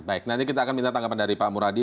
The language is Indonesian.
baik nanti kita akan minta tanggapan dari pak muradi